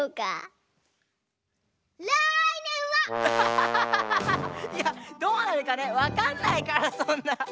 いやどうなるかねわかんないからそんな。